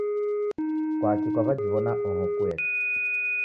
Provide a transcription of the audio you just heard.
Kwaki kwaw'ajiw'ona oho kueka?